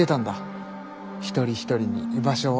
一人一人に居場所をってさ。